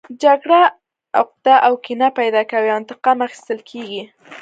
جګړه عقده او کینه پیدا کوي او انتقام اخیستل کیږي